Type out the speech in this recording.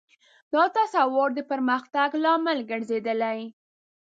دا تصور د پرمختګ لامل ګرځېدلی.